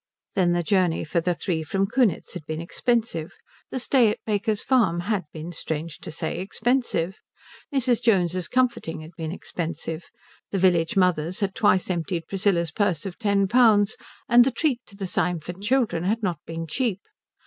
Then the journey for the three from Kunitz had been expensive; the stay at Baker's Farm had been, strange to say, expensive; Mrs. Jones's comforting had been expensive; the village mothers had twice emptied Priscilla's purse of ten pounds; and the treat to the Symford children had not been cheap.